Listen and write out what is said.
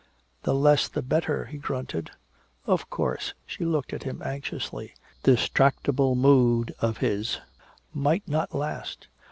"The less, the better," he grunted. "Of course." She looked at him anxiously. This tractable mood of his might not last.